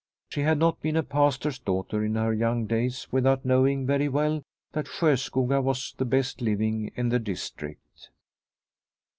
She had not been a Pastor's daughter in her young days with out knowing very well that Sjoskoga was the best living in the district.